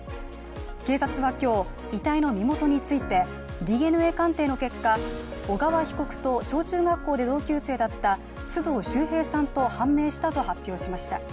警察は今日、遺体の身元についてＤＮＡ鑑定の結果、小川被告と小・中学校で同級生だった須藤秀平さんと判明したと発表しました。